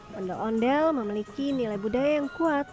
pendua ondel mengalami nilai budaya yang kuat